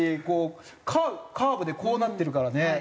こうカーブでこうなってるからね。